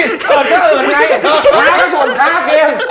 เกิดก็เกิดไงวันนั้นก็ส่วนคาดเอง